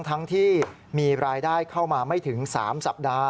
ทั้งที่มีรายได้เข้ามาไม่ถึง๓สัปดาห์